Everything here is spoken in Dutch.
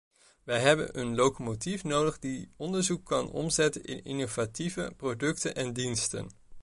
Wij hebben een locomotief nodig die onderzoek kan omzetten in innovatieve producten en diensten.